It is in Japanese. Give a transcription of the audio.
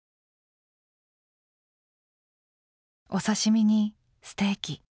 お刺身にステーキ。